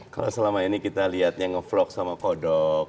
kalau selama ini kita lihatnya ngevlog sama kodok